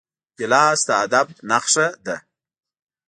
ګیلاس د ادب نښه ده.